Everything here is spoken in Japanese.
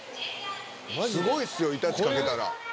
すごいっすよ「いたち」書けたら。